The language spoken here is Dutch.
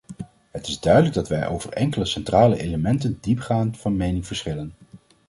Het is duidelijk dat wij over enkele centrale elementen diepgaand van mening verschillen.